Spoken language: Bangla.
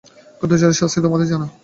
গুপ্তচরের শাস্তি তোমাদের জানা।